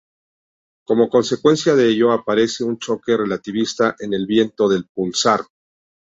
Como consecuencia de ello, aparece un choque relativista en el viento del pulsar.